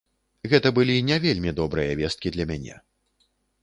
Гэта былі не вельмі добрыя весткі для мяне.